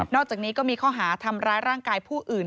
อกจากนี้ก็มีข้อหาทำร้ายร่างกายผู้อื่น